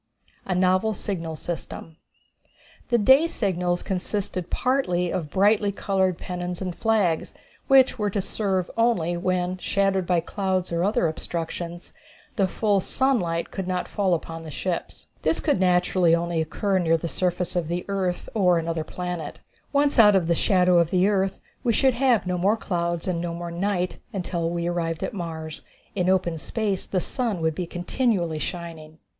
A Novel Signal System. The day signals consisted partly of brightly colored pennons and flags, which were to serve only when, shadowed by clouds or other obstructions, the full sunlight should not fall upon the ships. This could naturally only occur near the surface of the earth or of another planet. Once out of the shadow of the earth we should have no more clouds and no more night until we arrived at Mars. In open space the sun would be continually shining.